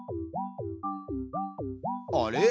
あれ？